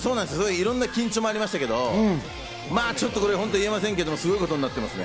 いろんな緊張もありましたけど、これ言えませんけど、すごい事になってます。